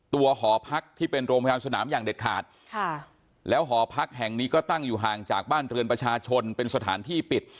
หอพักที่เป็นโรงพยาบาลสนามอย่างเด็ดขาดค่ะแล้วหอพักแห่งนี้ก็ตั้งอยู่ห่างจากบ้านเรือนประชาชนเป็นสถานที่ปิด